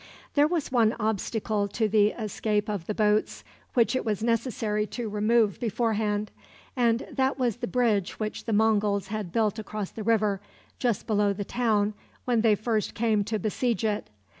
There was one obstacle to the escape of the boats which it was necessary to remove beforehand, and that was the bridge which the Monguls had built across the river, just below the town, when they first came to besiege it.